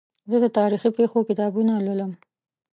زه د تاریخي پېښو کتابونه لولم.